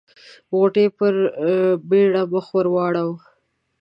غوټۍ په بيړه مخ ور واړاوه.